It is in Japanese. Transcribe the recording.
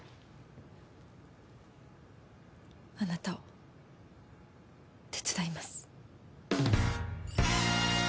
あなたを手伝います。